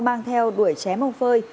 mang theo đuổi ché mông phơi